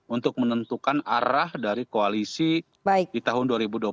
untuk menentukan arah dari koalisi di tahun dua ribu dua puluh empat